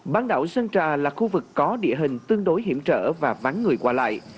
bán đảo sơn trà là khu vực có địa hình tương đối hiểm trở và vắng người qua lại